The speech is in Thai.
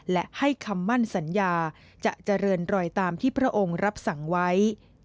และให้คำมั่นสัญญาจะเจริญรอยตามที่พระองค์รับสั่งไว้